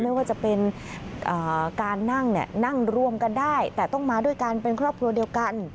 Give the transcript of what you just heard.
ไม่ว่าจะเป็นการนั่งนั่งรวมกันได้แต่ต้องมาด้วยกันเป็นครอบครัวเดียวกัน